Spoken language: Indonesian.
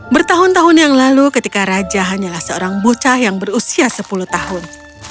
bertahun tahun yang lalu ketika raja hanyalah seorang bocah yang berusia sepuluh tahun